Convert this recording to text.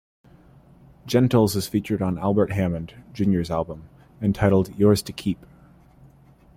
Gentles is featured on Albert Hammond, Junior's album, entitled Yours to Keep.